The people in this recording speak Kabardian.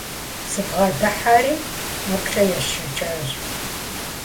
Сыбгъэдыхьэри, ӀэплӀэ есшэкӀащ.